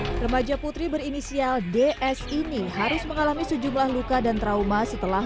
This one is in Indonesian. hai remaja putri berinisial ds ini harus mengalami sejumlah luka dan trauma setelah